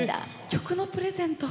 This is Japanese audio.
曲のプレゼント？